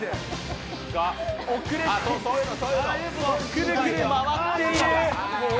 くるくる回っている。